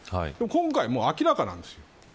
今回は明らかなんですよ。